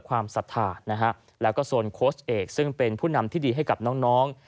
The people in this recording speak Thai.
ศรัทธานะฮะแล้วก็โซนโค้ชเอกซึ่งเป็นผู้นำที่ดีให้กับน้อง